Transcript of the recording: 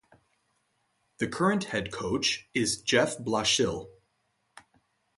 The current head coach is Jeff Blashill.